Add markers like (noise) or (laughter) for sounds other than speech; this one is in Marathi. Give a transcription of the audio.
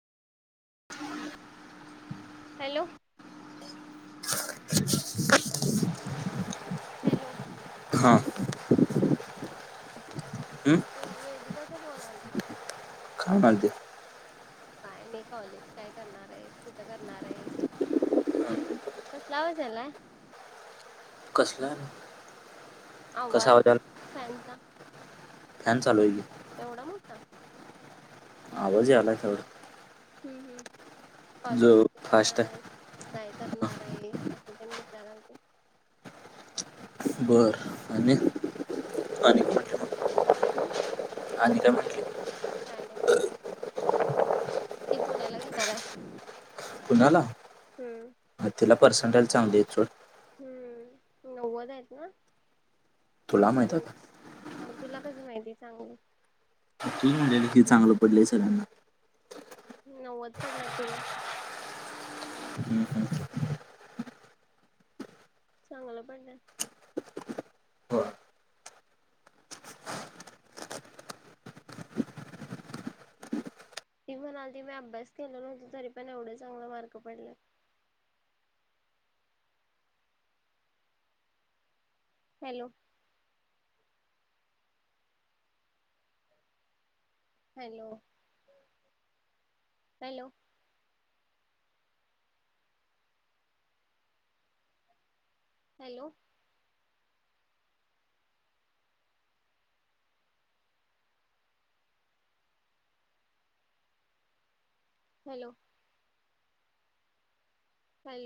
(unintelligible) हॅलो. (unintelligible) हॅलो. हा बोल. हं? वेदिकाचा फोन आलता. खाणा ते (unintelligible) काय नाही. कॉलेज काय करणारेस? कुठं करणारेस? कसला आवाज यालाय? कसला? कसा आवाज आला फॅनचा. फॅन चालूय की. एवढा मोठा? आवाज यालाय तेवढा. हम्म हम्म. कॉलेज जो कुठे फास्ट करणारेस? आहे काय करणारेस? असं तेन विचारालती. बरं. आणि आणि काय? हम्म. आणि काय म्हंटली? काय नाही म्हणली. ती पुण्याला घेणाराय. पुण्याला? तिला पर्सेंटेज चांगलीयेत सोड. हम्म. नव्वदेत ना? तुला माहित आता. म तुला कस माहिती चांगलेय? तूच म्हंटलेलंस की चांगलं पडलंय सगळ्यांना. नव्वद पडल्यात तिला. हम्म हम्म. चांगलं पडल्यात. हो ती म्हणालती मी अभ्यास केलो नवतो, तरी पण एवढे चांगले मार्क पडलेत. Hello. Hello hello. Hello. Hello.